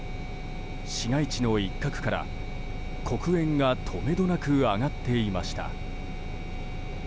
市街地の一角から、黒煙がとめどなく上がっていました。